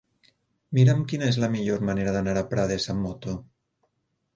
Mira'm quina és la millor manera d'anar a Prades amb moto.